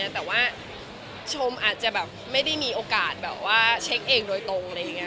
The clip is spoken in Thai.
แต่ว่าชมอาจจะแบบไม่ได้มีโอกาสเช็คเองโดยตรง